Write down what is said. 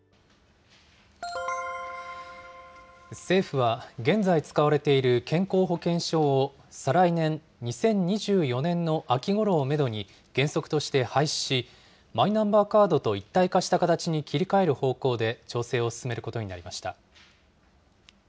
政府は、現在使われている健康保険証を再来年・２０２４年の秋ごろをメドに、原則として廃止し、マイナンバーカードと一体化した形に切り替える方向で調整を進めることになりました。